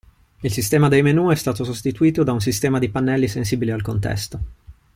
Il sistema dei menu è stato sostituito da un sistema di pannelli sensibili al contesto.